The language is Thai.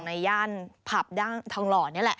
ในย่านผับทองหลอนนี่แหละ